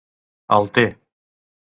El t